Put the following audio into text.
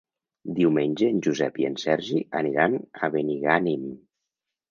Diumenge en Josep i en Sergi aniran a Benigànim.